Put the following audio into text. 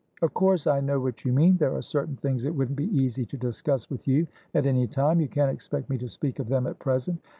"Of course I know what you mean. There are certain things it wouldn't be easy to discuss with you at any time; you can't expect me to speak of them at present.